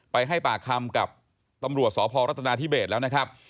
ให้ปากคำกับตำรวจสพรัฐนาธิเบสแล้วนะครับ